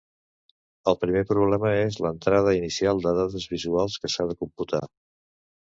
El primer problema és l’entrada inicial de dades visuals que s’ha de computar.